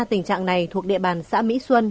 tình trạng này thuộc địa bàn xã mỹ xuân